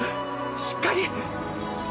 しっかり！